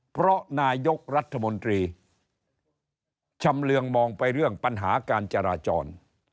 เพราะนายกรัฐมนตรีชำเรืองมองไปเรื่องปัญหาการจราจร